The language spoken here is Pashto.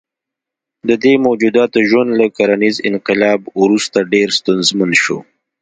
دې موجوداتو ژوند له کرنیز انقلاب وروسته ډېر ستونزمن شو.